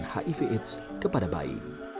hiv aids kepada bayi